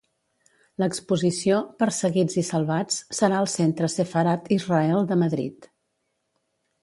L'exposició "Perseguits i Salvats" serà al Centre Sefarad-Israel de Madrid.